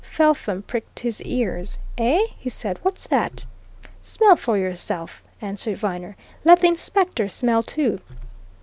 Felpham pricked his ears. "Eh?" he said. "What's that?" "Smell for yourself," answered Viner. "Let the inspector smell too.